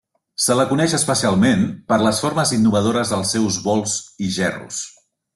Se la coneix especialment per les formes innovadores dels seus bols i gerros.